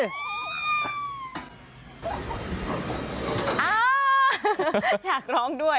อยากร้องด้วย